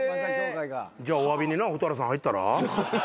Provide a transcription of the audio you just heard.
じゃあおわびにな蛍原さん入ったら？